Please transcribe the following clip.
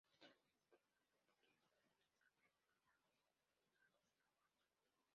Tras visitar nuevamente Kioto, regresa a Edo a finales de agosto.